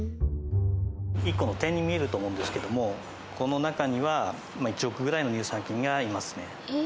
１個の点に見えると思うんですけどもこの中には１億ぐらいの乳酸菌がいますね。